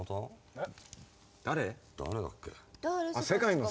えっ？